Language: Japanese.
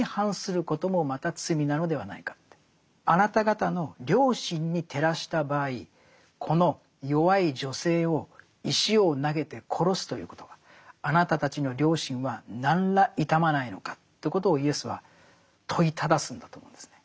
あなた方の良心に照らした場合この弱い女性を石を投げて殺すということはあなたたちの良心は何ら痛まないのかということをイエスは問いただすんだと思うんですね。